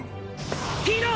ピーノ！